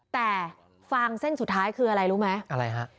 แต่ฟางเส้นสุดท้ายคืออะไรรู้ไหมอะไรฮะ